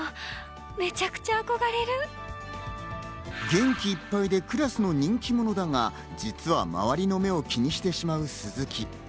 元気いっぱいでクラスの人気者だが、実は周りの目を気にしてしまう鈴木。